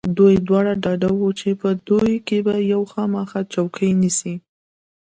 دوی دواړه ډاډه و چې په دوی کې به یو خامخا چوکۍ نیسي.